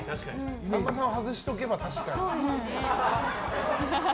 さんまさんを外しておけば確かに。